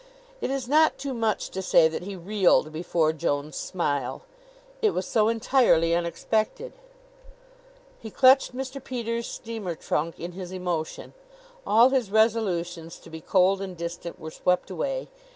It is not too much to say that he reeled before Joan's smile. It was so entirely unexpected. He clutched Mr. Peters' steamer trunk in his emotion. All his resolutions to be cold and distant were swept away.